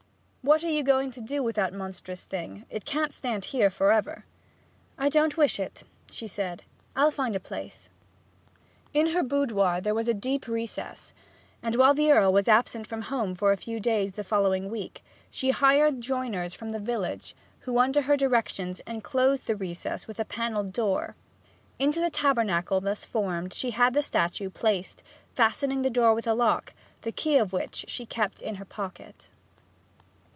'What are you going to do with the monstrous thing? It can't stand here for ever.' 'I don't wish it,' she said. 'I'll find a place.' In her boudoir there was a deep recess, and while the Earl was absent from home for a few days in the following week, she hired joiners from the village, who under her directions enclosed the recess with a panelled door. Into the tabernacle thus formed she had the statue placed, fastening the door with a lock, the key of which she kept in her pocket.